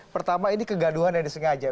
pertama ini kegaduhan yang disengaja